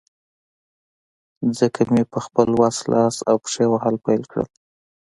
ځکه مې په خپل وس، لاس او پښې وهل پیل کړل.